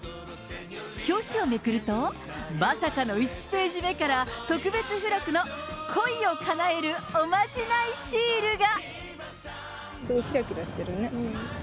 表紙をめくると、まさかの１ページ目から特別付録の恋をかなえるおまじないシールすごいきらきらしてるね。